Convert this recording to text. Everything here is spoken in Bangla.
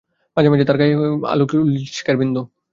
মাঝে মাঝে তার গায়ে গায়ে আলোকশিখার বিন্দু।